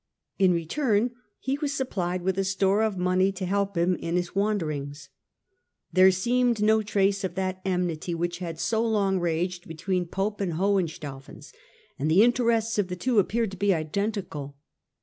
In return he was supplied with a store of money to help him in his wanderings. There seemed no trace of that enmity which had so long raged between between Popes and Hohenstaufens, and the interests of the two appeared to be identical.